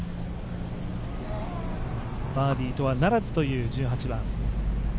バーディーとはならずという１８番。